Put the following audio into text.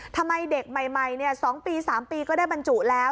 ทำไมเด็กใหม่๒ปี๓ปีก็ได้บรรจุแล้ว